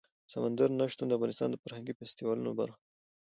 سمندر نه شتون د افغانستان د فرهنګي فستیوالونو برخه ده.